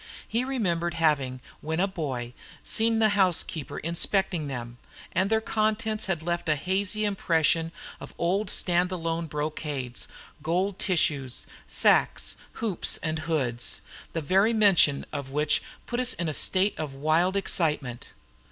He remembered having, when a boy, seen the housekeeper inspecting them, and their contents had left a hazy impression of old stand alone brocades, gold tissues, sacques, hoops, and hoods, the very mention of which put us in a state of wild excitement.